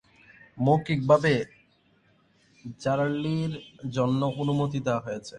মৌখিকভাবে র্যালির জন্য অনুমতি দেওয়া হয়েছে।